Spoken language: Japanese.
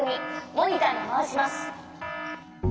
モニターにまわします。